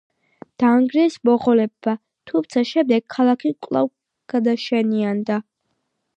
დაანგრიეს მონღოლებმა, თუმცა შემდეგ ქალაქი კვლავ განაშენიანდა.